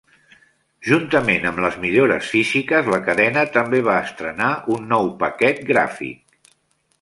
Juntament amb les millores físiques, la cadena també va estrenar un nou paquet gràfic.